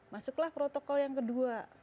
masuklah protokol yang kedua